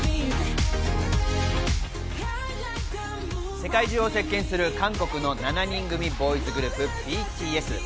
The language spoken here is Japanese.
世界中を席巻する韓国の７人組ボーイズグループ・ＢＴＳ。